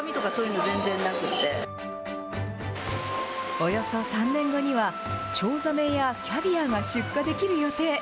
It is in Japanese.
およそ３年後には、チョウザメやキャビアが出荷できる予定。